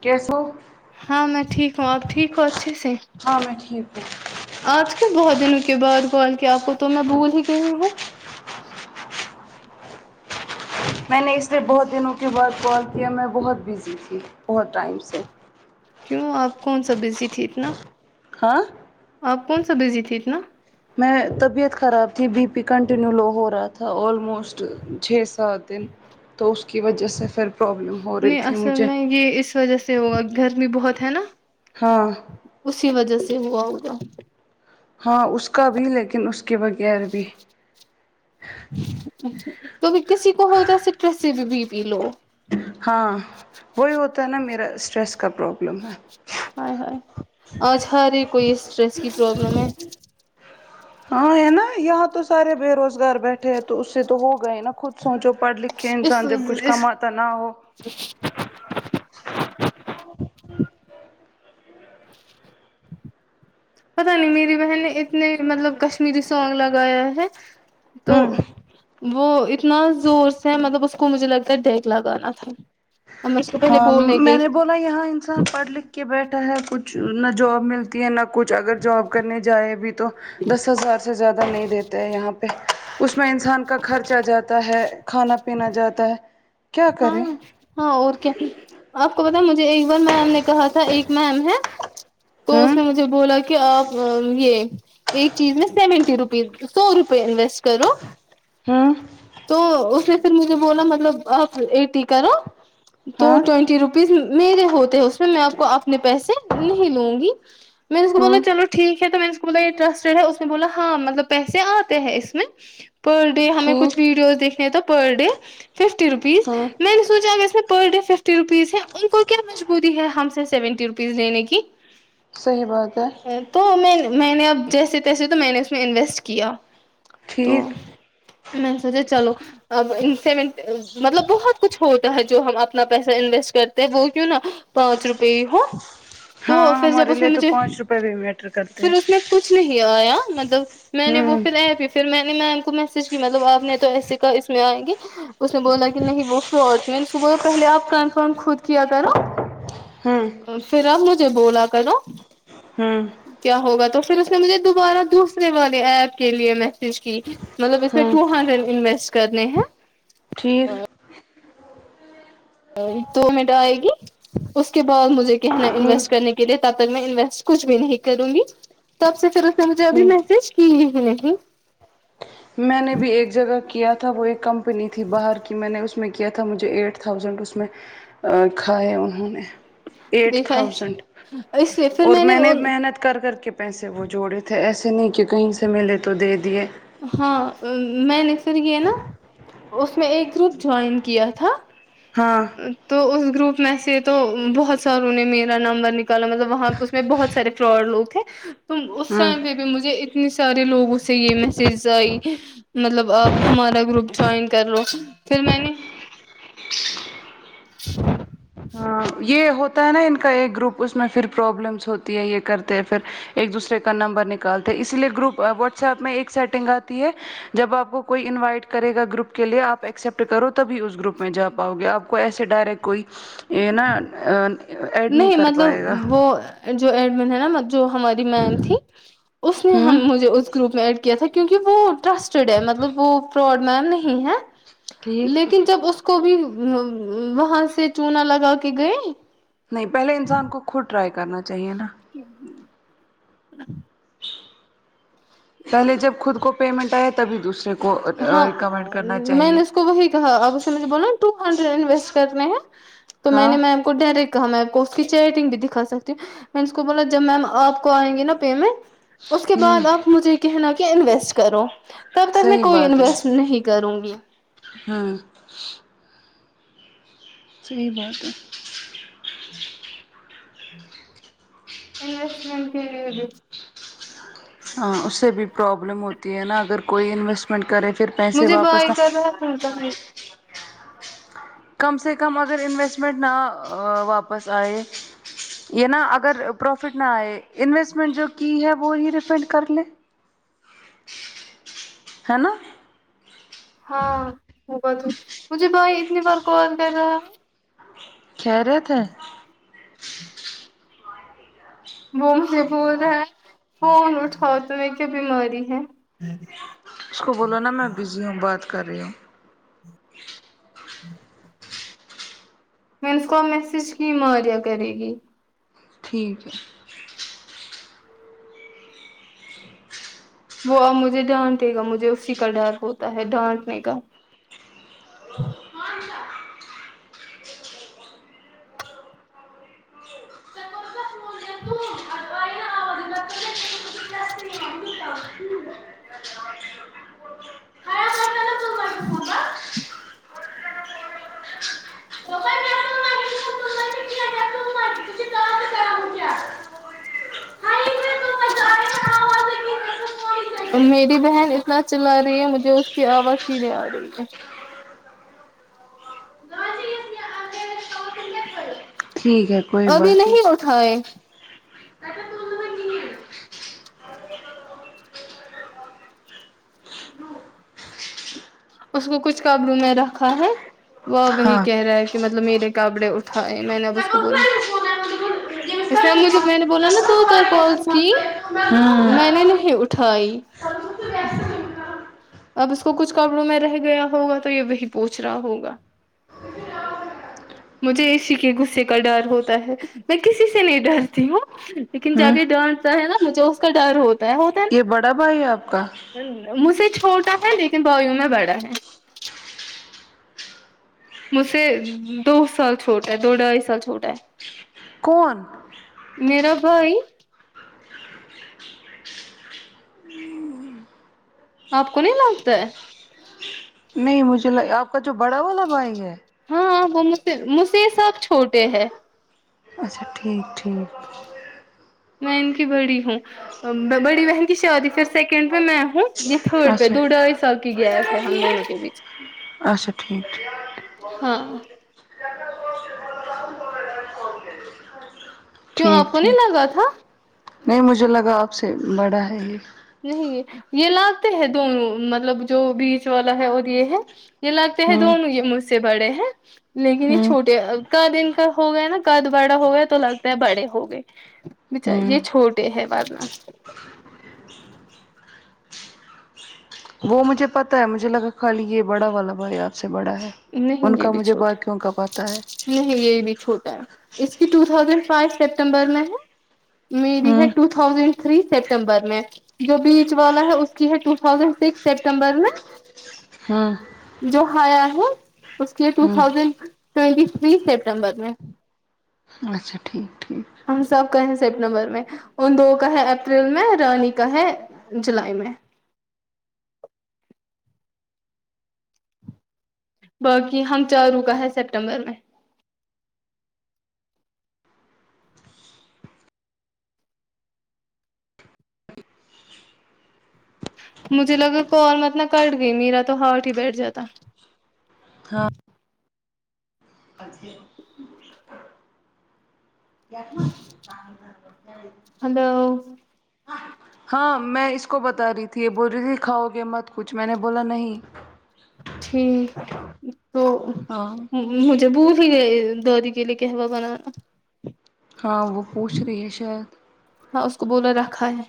کیسے ہو ہاں میں ٹھیک ہوں آپ ٹھیک ہو اچھے سے ہاں میں ٹھیک ہوں آج کل بہت دنوں کے بعد کال کیا آپ کو تو میں بھول ہی گئی ہو میں نے اس لیے بہت دنوں کے بعد کال کیا میں بہت بزی تھی بہت ٹائم سے کیوں آپ کون سا بزی تھی اتنا ہاں آپ کون سا بزی تھی اتنا میں طبیعت خراب تھی بی پی کنٹینیو لو ہو رہا تھا آلموسٹ چھ سات دن تو اس کی وجہ سے پھر پرابلم ہو رہی نہیں تھی اصل مجھے میں یہ اس وجہ سے ہوگا گرمی بہت ہے نا ہاں اسی وجہ سے ہوا ہوگا ہاں اس کا بھی لیکن اس کے بغیر بھی تو کسی کو ہوتا ہے سٹرس سے بھی بی پی لو ہاں وہی ہوتا ہے نا میرا اسٹریس کا پرابلم ہے ہائے ہائے آج ہر ایک کو کوئی اسٹریس کی پرابلم ہے ہاں ہے نا یہاں تو سارے بے روزگار بیٹھے ہیں تو اسے تو ہوگا ہی نا خود سوچو پڑھ لکھ کے اس انسان جب اس کچھ اس کماتا نہ ہو اس [inaudible] پتا نہیں میری بہن نے اتنے مطلب کشمیری سانگ لگایا ہے تو ہوں وہ اتنا زور سے ہے مطلب اس مجھے لگتا دیگ لگانا تھا اب میں اس کو پہلے بولنے گئی اتنا یہاں انسان پڑھ لکھ کے بیٹھا ہے کچھ نہ جوب ملتی ہے نہ کچھ اگر جاب کرنے جائے بھی تو دس ہزار سے زیادہ نہیں دیتا یہاں اس میں انسان کا خرچہ جاتا ہے کھانا پینا جاتا ہے کیا ہاں کریں ہاں اور کیا آپ کو بتا مجھے ایک بار میم نے کہا تھا ایک میم ہے تو اس ہوں نے مجھے بولا کے آپ یہ ایک چیز میں سیونٹی روپیز سو روپئے انویسٹ کرو ہوں تو اس نے پھر مجھے بولا مطلب آپ ایٹی کرو تو ہاں ٹوینٹی روپ میرے ہوتے ہیں اس میں میں آپ کو اپنے پیسے نہیں لوں گی میں نے اس کو بولا ہوں چلو ٹھیک ہے تو میں نے اس کو بولا یہ ٹرسٹ ہے اس نے بولا ہاں مطلب پیسے آتے ہیں اس میں پر ڈے ہمیں کچھ ٹھیک ویڈیوز دیکھنے تو پر ڈے ففٹی روپیز ہوں میں نے سوچا اگر اس میں پر ڈے ففٹی روپیز ہے ان کو کیا مجبوری ہے ہم سے سیونٹی روپیز لینے کی صحیح بات ہے تو میں میں نے اب جیسے تیسے تو میں نے اس میں انویسٹ کیا تو ٹھیک میں نے سوچا چلو اب انم مطلب بہت کچھ ہوتا ہے جو ہم اپنا پیسہ انویسٹ کرتے ہیں وہ کیوں نہا پانچ روپی ہی ہو تو ہاں پھر جب ہمارے اس میں لیے تو مجھے پانچ روپئے بھی میٹر کرتے پھر ہیں اس میں کچھ نہیں آیا مطلب میں نے وہ ہوں پھر ای پ پھر میں نے میم کو میسج کی مطلب آپ نے تو ایسے کہا اس میں آئیں گے اس نے بولا کہ نہیں وہ فراڈ تھی میں نے صبح پہلے آپ کنفرم خود کیا کرو ہوں پھر آب مجھے بولا کرو ہوں کیا ہوگا تو پھر اس نے مجھے دوبارہ دوسرے والے ایپ کے لیے میسج کی مطلب اس میں ہوں ٹو ہنڈریڈ انویسٹ کرنے ہیں ٹھیک وہی تو میٹو آئے گی اس کے بعد مجھے کہنا ہے ہوں انویسٹ کرنے کے لیے تب تک میں انویسٹ کچھ بھی نہیں کروں گی تب سے پھر اس نے مجھے ابھی ہوں میسج کی ہی نہیں میں نے بھی ایک جگہ کیا تھا وہ ایک کمپنی تھی باہر کی میں نے اس میں کیا تھا مجھے ایٹ تھاؤزینڈ اس میں کھایا انہوں نے ایٹ دیکھا تھاؤزینڈ اس لیے پھر اور میں نے محنت کر کر کے پیسے وہ جوڑے تھے ایسے نہیں کہ کہیں سے ملے تو دے دیے ہاں میں نے پھر یہ نا اس میں ایک گروپ جوائن کیا تھا ہاں تو اس گروپ میں سے تو بہت ساروں نے میرا نمبر ن نکلا مطلب وہاں پہ اس میں بہت سے فراڈ لوگ تھے تو اس ہوں ٹائم پ پھر مجھے اتنے سارے لگوں سے یہ میں سرزئی مطلب آپ ہمارا گروپ جوائن کر لو پھر میں نے [inaudible] یہ ہوتا ہے نا ان کا ایک گروپ اس میں پھر پرابلمس ہوتی ہے یہ کرتے ہیں پھر ایک دوسرے کا نمبر نکالتے اسی لیے گروپ واٹس ایپ میں ایک سیٹنگ آتی ہے جب آپ کو کوئی انوائٹ کرے گا گروپ کے لیے آپ ایکسپٹ کرو تبھی اس گروپ میں جا پاؤ گے آپ کوئی ایسے ڈائریکٹ کوئی یہ نا ایڈ نہیں کر پائے گا مطلب وہ جو ایڈ مین ہے نا جو ہماری میم تھی اس نے ہوں مجھے اس گروپ میں ایڈ کیا تھا کہ کیونکہ وہ ٹرسٹڈ ہے مطلب وہ فراڈ میم نہیں ہے ٹھیک لیکن جب اس کو بھی وہاں سے چونا لگا کے گئے نہیں پہلے انسان کو خود ٹرائی کرنا چاہیے نا [inaudible] پہلے جب خود کو پیمنٹ آیا تبھی دوسرے کو ہاں ریکمینڈ کرنا میں چاہیے نے اس کو وہی کہا اب اس نے مجھے بولا ٹو ہنڈریڈ انویسٹ کرنے ہیں تو میں ہاں نے میم کو ڈائریکٹ کہا میں آپ کو اس کی چیٹنگ بھی دکھا سکتی ہوں میں اس کو بولا جب میم آپ کو آئیں گی نا پیمنٹ اس کے ہوں بعد آپ مجھے یہ کہنا کہ انویسٹ کرو تب تک میں صحیح کوئی بات ہے انویسٹ نہیں کروں گی ہاں صحیح بات ہے انوسٹمنٹ کے اس سے بھی پرابلم ہوتی ہے نا اگر کوئی انویسٹمنٹ کرے پھر پیسے مجھے بائی واپس نہ کر رہ [unintelligible] کم سے کم اگر انویسٹمنٹ نا واپس آئے یہ نا اگر پروفٹ نہ آئے انویسٹمنٹ جو کی ہے وہ ہی ریفنڈ کر لے ہے نا ہاں وہ بات مجھے بھائی اتنی بار کل کر رہا ہے خیریت ہے وہ مجھے بول رہا ہے فون اٹھاؤ تمہیں کیا بیماری ہے اس کو بولو نا میں بزی ہوں بات کر رہی ہوں میں اس کو میسج کی ماریا کرے گی ٹھیک ہے وہ اب مجھے ڈانٹے گا مجھے اسی کا ڈر ہوتا ہے ڈانٹنے کا [inaudible] [inaudible] ہے [inaudible] [inaudible] [inaudible] [inaudible] میری بہن اتنا چلا رہی ہے مجھے اس کی آواز سنے آ رہی ہے ٹھیک ہے کوئی ابھی بات نہیں رکھاے اس کو کچھ قبر میں رکھا ہے وہ وہی ہاں کہہ رہا ہے کہ مطلب مطلب میرے کپڑے اٹھائے میں نے اب اس کو بولا ایسا مجھے میں نے بولا نا دو چار کالس کی میں ہاں نے ہوں نہیں اٹھائی اب اس کو کچھ کپڑوں میں رہ گیا ہوگا تو یہ وہی پوچھ رہا ہوگا مجھے اسی کے غصے کا ڈر ہوتا ہے میں کسی سے نہیں ڈرتی ہوں لیکن جب یہ ڈانٹا ہے نا مجھے اس کا ڈر ہوتا ہے ہوتا ہے یہ بڑا بھائی ہے آپ کا مجھ سے چھوٹا ہے لیکن بائییوں میں بڑا ہے مجھ سے دو سال چھوٹا ہے دو ڈھائی سال چھوٹا ہے کون میرا بھائی آپ کو نہیں لگتا ہے نہیں مجھے لگا آپ کا جو بڑا والا بھائی ہے ہاں وہ مج مجھ سے یہ سب چھوٹے ہے اچھا ٹھیک ٹھیک میں ان کی بڑی ہوں بڑی بہن کی شادی پھر سیکنڈ پے میں ہوں جی تھرڈ پہ اچھا دو ڈھائی سال کی گیس ہے ہم دونوں کے بیچ اچھا ٹھیک ہاں کیوں ٹھیک آپ کو نہیں ٹھیک لگا تھا نہیں مجھے لگا آپ سے بڑا ہے یہ نہیں یہ لگتے ہیں دونوں مطلب جو بیچ والا ہے اور یہ ہے یہ لگتے ہیں ہوں دونوں یہ مجھ سے بڑے ہیں لیکن یہ ہوں چھوٹے کاد ان کا ہو گیا نا کاد بڑا ہو گیا تو لگتا ہے بڑے ہو گئے بچار ہوں یہ چھوٹے ہے بعد میں وہ مجھے پتہ ہے مجھے لگا خالی یہ بڑا والا بھائی آپ سے بڑا ہے ان نہیں یہ کا بھی مجھے چھوٹا باقیوں کا پتاہ ہے نہیں یہ بھی چھوٹا ہے اس کی ٹو تھاؤزینڈ فائیو سپٹمبر میں ہے میری ہے ہوں ٹو تھا تھازینڈ تھری سپٹمبر میں جو بیچ والا ہے اس کی ہے ٹو تھازینڈ سکس سپٹمبر میں ہاں جو کھایا ہے اس کے ٹو ہوں ٹھوسند ٹوئنٹی تری ستمبر میں اچھا ٹھیک ٹھیک ہم سب کا ہے سپٹمبر میں ان دو کا ہے اپریل میں رانی کا ہے جولائی میں باقی ہم چاروں کا ہے سپٹمبر میں مجھے لگا کال مطلب کٹ گئی میرا تو ہارٹ ہی بیٹھ جاتا ہاں ہیلو ہاں میں اس کو بتا رہی تھی یہ بول رہی تھی کھاؤ گے مت کچھ میں نے بولا نہیں ٹھیک تو ہاں مجھے بھول ہی گئی کے لیے کے ہوا بھرنا ہاں وہ پوچھ رہی ہے شاید ہاں اس کو بلا رکھا ہے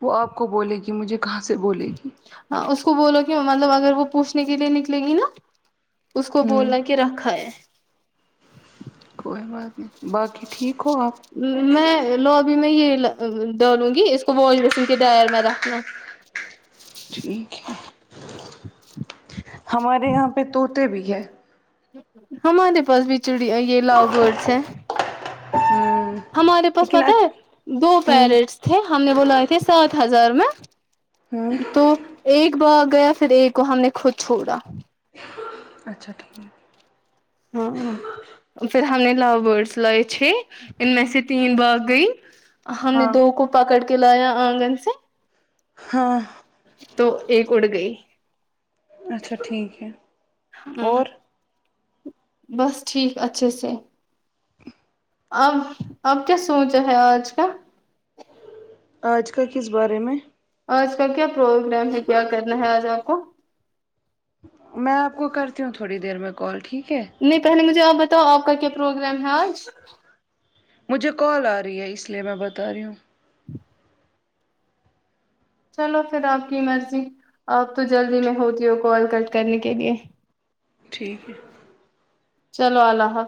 وہ آپ کو بولے گی مجھے کہاں سے بولے گی ہاں اس کو بولو کہ مطلب اگر وہ پوچھنے کے لیے نکلے گی نا اس کو ہوں بولنا کی رکھا ہے کوئی بات نہیں باقی ٹھیک ہو آپ میں لوابی میں یہ ڈالوں گی اس کو واش بیسن کے ڈائر میں رکھنا ٹھیک ہے ہمارے یہاں پہ طوطے بھی ہے ہمارے پاس بھی چڑی یہ لوو برڈز ہے ہوں ہمارے پاس لیکن پتہ ہے دو ہوں پیرٹس تھے ہم نے ب لائے تھے سات ہزار میں ہوں تو ایک بهگ گیا پھر ایک کو ہم نے خود چھوڑا اچھا ٹھیک ہے ہاں پھر ہم نے لاو برڈس لائے چھے ان میں سے تین باگ گئی ہم نے ہاں دو کو پکڑ کے لایا آنگن سے ہاں تو ایک اڑ گئی اچھا ٹھیک ہے ہاں اور بس ٹھیک اچھے سے اب اب کیا سوچا ہے آج کا آج کا کس بارے میں آج کا کیا پروگرام ہے کیا کرنا ہے آج آپ کو میں آپ کو کرتی ہوں تھوڑی دیر میں کال ٹھیک ہے نہیں پہلے مجھے آپ بتاؤ آپ کا کیا پروگرام ہے آج مجھے کال آ رہی ہے اس لیے میں بتا رہی ہوں چلو پھر آپ کی مرضی اپ تو جلدی میں ہوتی ہو کال کٹ کرنے کے لیے ٹھیک ہے چلو اللہ حا